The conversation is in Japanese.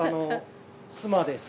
妻です。